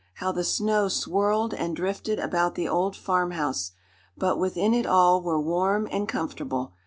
How the snow swirled and drifted about the old farmhouse! But within it all were warm and comfortable.